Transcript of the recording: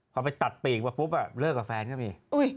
คบไปตัดปีกปุ๊บเริ่มกับแฟนก็มี